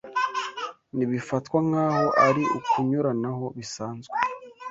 ntibifatwa nk'aho ari ukunyuranaho bisanzwe